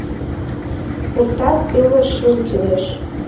Путат пеле шыл кӱлеш